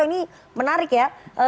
ini menarik ya